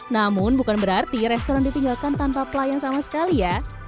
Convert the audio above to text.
namun bukan berarti restoran ditinggalkan tanpa pelayan sama sekali ya